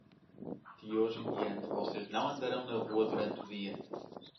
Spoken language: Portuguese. De hoje em diante vocês não andarão na rua durante o dia.